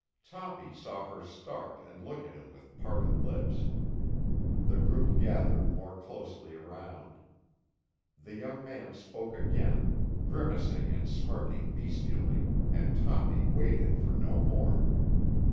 Toppy saw her start and look at him with parted lips. The group gathered more closely around. The young man spoke again, grimacing and smirking bestially, and Toppy waited for no more.